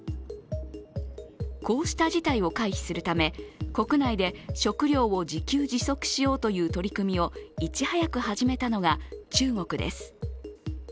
こうした事態を回避するため、国内で食料を自給自足しようという取り組みをいち早く始めたのが中国です。